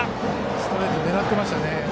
ストレート狙ってましたね。